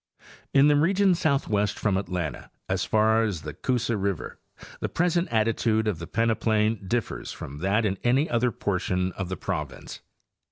—In the region southwest from Atlanta as far as the Coosa river the present attitude of the peneplain differs from that in any other portion of the province.